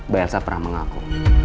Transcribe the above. bay elsa pernah mengaku